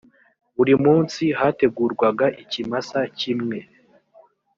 buri munsi hategurwaga ikimasa kimwe